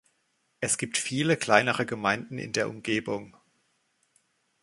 Es gibt viele kleinere Gemeinden in der Umgebung.